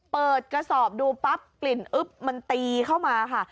เปิดกระสอบดูปั๊บกลิ่นอึ๊บมันตีเข้ามาค่ะ